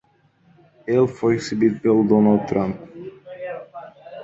Ele foi recebido pelo Donald Trump.